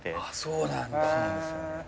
そうなんだ。